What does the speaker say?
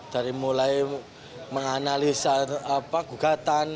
dari mulai menganalisa gugatan